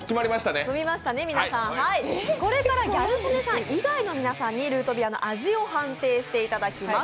ギャル曽根さん以外の皆さんにルートビアの味を判定してもらいます。